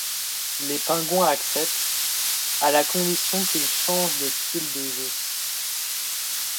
Les Penguins acceptent, à la condition qu'il change de style de jeu.